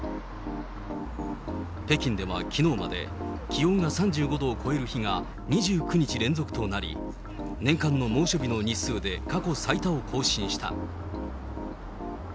北京ではきのうまで気温が３５度を超える日が２９日連続となり、年間の猛暑日の日数で過去最多を更新した。